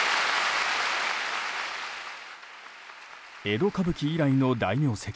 江戸歌舞伎以来の大名跡